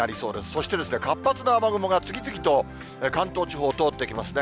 そして、活発な雨雲が次々と関東地方を通っていきますね。